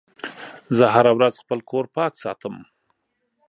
زه هره ورځ خپل کور پاک ساتم.